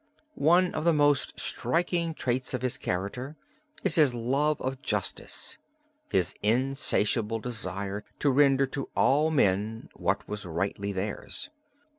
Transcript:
One of the most striking traits of his character is his love of justice, his insatiable desire to render to all men what was rightly theirs.